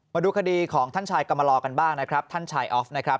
มาดูคดีของท่านชายกรรมลอกันบ้างนะครับท่านชายออฟนะครับ